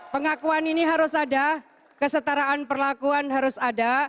pengakuan ini harus ada kesetaraan perlakuan harus ada